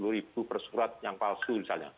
tujuh puluh ribu persurat yang palsu